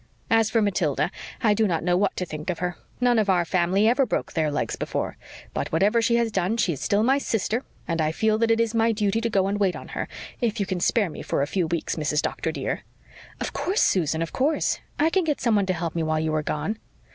As for Matilda, I do not know what to think of her. None of our family ever broke their legs before. But whatever she has done she is still my sister, and I feel that it is my duty to go and wait on her, if you can spare me for a few weeks, Mrs. Doctor, dear." "Of course, Susan, of course. I can get someone to help me while you are gone."